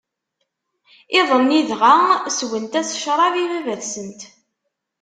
Iḍ-nni dɣa, sswent-as ccṛab i Baba-tsent.